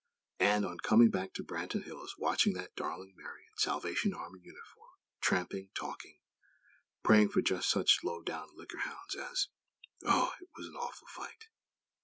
_ And, on coming back to Branton Hills, watching that darling Mary in Salvation Army uniform, tramping, talking, praying for just such low down "liquor hounds" as . Oh! It was an awful fight!